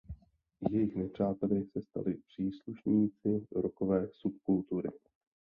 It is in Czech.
Jejich nepřáteli se stali příslušníci Rockové subkultury.